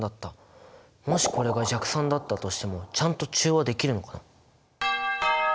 もしこれが弱酸だったとしてもちゃんと中和できるのかな？